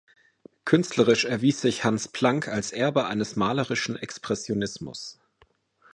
Künstlerisch erwies sich Hans Plank als Erbe eines malerischen Expressionismus.